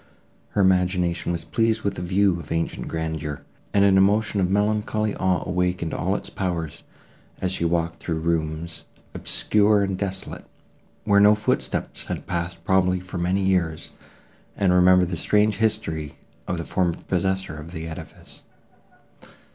Her imagination was pleased with the view of ancient grandeur, and an emotion of melancholy awe awakened all its powers, as she walked through rooms, obscure and desolate, where no footsteps had passed probably for many years, and remembered the strange history of the former possessor of the edifice.